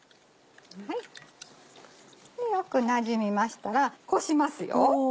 よくなじみましたらこしますよ。